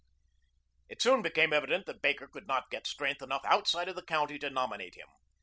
It soon became evident that Baker could not get strength enough outside of the county to nominate him.